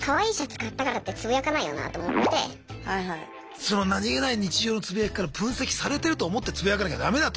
その何気ない日常のつぶやきから分析されてると思ってつぶやかなきゃダメだと。